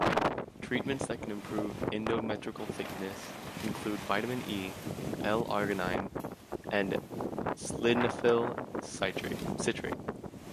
Treatments that can improve endometrial thickness include Vitamin E, L-arginine and sildenafil citrate.